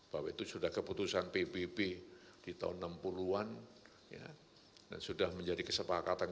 bahwa itu sudah keputusan pbb di tahun enam puluh an dan sudah menjadi kesepakatan